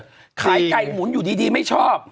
ใช่ค่ะขายไก่หมุนอยู่ดีไม่ชอบ